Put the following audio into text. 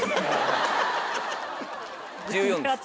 １４です。